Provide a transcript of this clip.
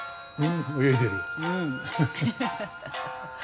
泳いでる。